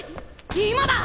今だ！